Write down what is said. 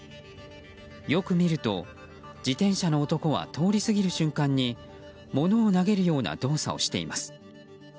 よく見ると、自転車の男は通り過ぎる瞬間に物を投げるような動作をしています。